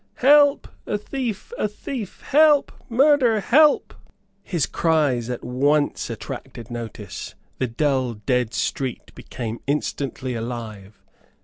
"Help! a thief, a thief! Help! murder! help!" His cries at once attracted notice. The dull, dead street became instantly alive.